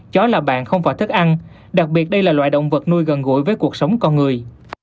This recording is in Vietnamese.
chó là bạn không phải thức ăn đặc biệt đây là loại động vật nuôi gần gũi với cuộc sống con người